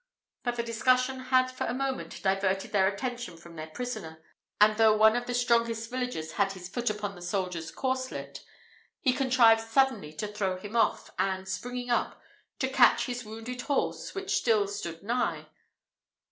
But the discussion had for a moment diverted their attention from their prisoner, and though one of the strongest villagers had his foot upon the soldier's corslet, he contrived suddenly to throw him off, and, springing up, to catch his wounded horse, which still stood nigh.